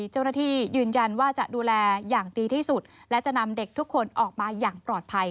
เจ้าหน้าที่ยืนยันว่าจะดูแลอย่างดีที่สุดและจะนำเด็กทุกคนออกมาอย่างปลอดภัย